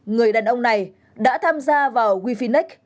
người đàn ông này đã tham gia vào wefinex